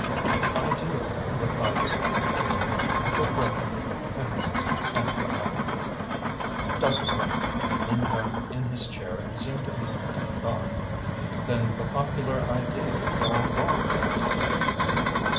"I do," replied the man in authority, with brevity, emphasis and finality. Dr. Parkman leaned back in his chair and seemed to be in deep thought. "Then the popular idea is all wrong, isn't it?"